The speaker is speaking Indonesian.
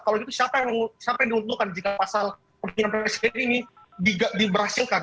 kalau gitu siapa yang diuntungkan jika pasal pemilihan presiden ini diberhasilkan